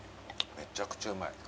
めちゃくちゃうまい。